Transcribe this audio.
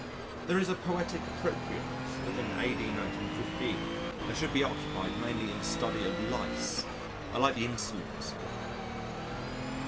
There is a poetic appropriateness that in A.D. 1915 I should be occupied mainly in the study of Lice. I like the insolence of it.